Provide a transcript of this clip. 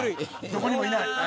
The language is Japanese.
どこにもいない。